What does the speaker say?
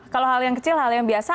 kalau hal yang kecil hal yang biasa